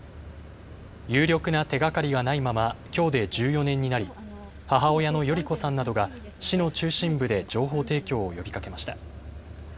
有力な手がかりがないままきょうで１４年になり母親の代里子さんなどが市の中心部で情報提供を呼びかけました。